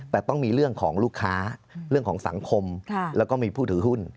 แต่ต้องมีเรื่องของลูกค้าเรื่องของสังคมแล้วก็มีผู้ถือหุ้น